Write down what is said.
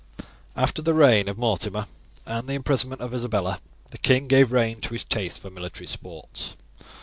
"After the death of Mortimer and the imprisonment of Isabella, the king gave rein to his taste for military sports.